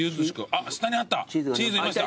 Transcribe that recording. あっ下にあった！